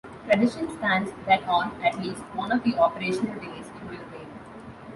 Tradition stands that on at least one of the operational days it will rain.